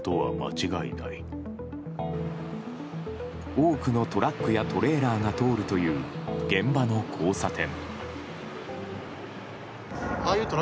多くのトラックやトレーラーが通るという現場の交差点。